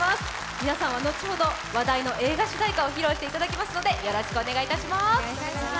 皆さんは後ほど、話題の映画主題歌を披露していただきますのでよろしくお願いします。